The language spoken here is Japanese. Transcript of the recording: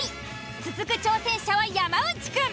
続く挑戦者は山内くん。